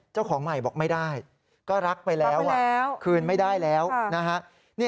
เจ้าของใหม่บอกไม่ได้ก็รักไปแล้วคืนไม่ได้แล้วนะฮะ